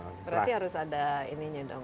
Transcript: berarti harus ada ininya dong